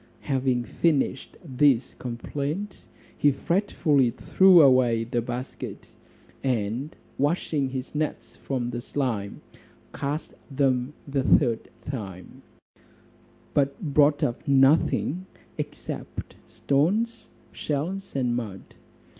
Having finished this complaint, he fretfully threw away the basket, and washing his nets from the slime, cast them the third time; but brought up nothing, except stones, shells, and mud.